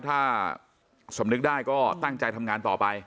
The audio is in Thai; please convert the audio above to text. ถ้าสำนึกได้ก็ตั้งใจทำงานต่อไป